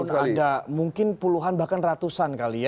tiap tahun ada mungkin puluhan bahkan ratusan kali ya